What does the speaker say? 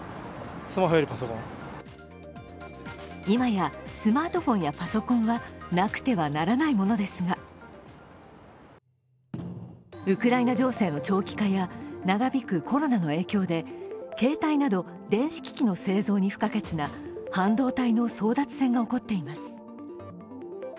今やスマートフォンやパソコンはなくてはならないものですが、ウクライナ情勢の長期化や長引くコロナの影響で携帯など電子機器の製造に不可欠な半導体の争奪戦が起こっています。